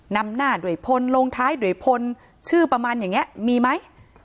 นำหน้าด้วยพลลงท้ายด้วยพลชื่อประมาณอย่างนี้มีไหม